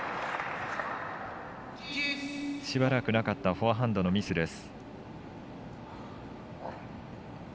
しばらくなかったフォアハンドのミスです。